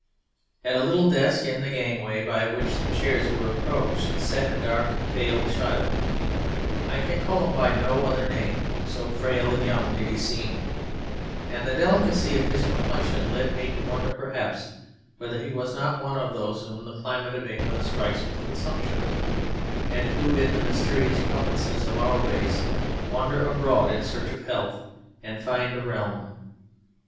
At a little desk in the gangway by which the chairs were approached sat a dark, pale child I can call him by no other name, so frail and young did he seem and the delicacy of his complexion led me to wonder perhaps whether he was not one of those whom the climate of England strikes with consumption, and who, in the mysterious providence of our race, wander abroad in search of health and find a Realm.